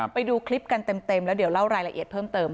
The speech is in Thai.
ไปดูคลิปกันเต็มแล้วเดี๋ยวเล่ารายละเอียดเพิ่มเติม